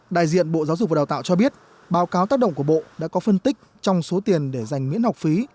đại diện bộ giáo dục và đào tạo cho biết báo cáo tác động của bộ đã có phân tích trong số tiền để giành miễn học phí